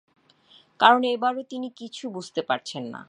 কারণ এবারও তিনি কিছু বুঝতে পারছেন না।